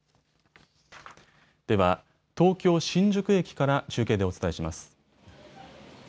では東京新宿駅から中継でお伝えします。